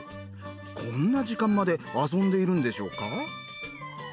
こんな時間まで遊んでいるんでしょうか？